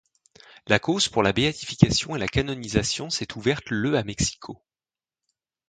La cause pour la béatification et la canonisation s'est ouverte le à Mexico.